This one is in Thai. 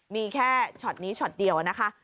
มีแค่ช็อตนี้ช็อตเดียวนะคะ